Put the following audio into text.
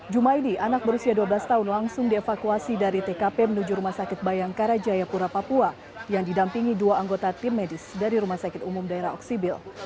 ⁇ maidi anak berusia dua belas tahun langsung dievakuasi dari tkp menuju rumah sakit bayangkara jayapura papua yang didampingi dua anggota tim medis dari rumah sakit umum daerah oksibil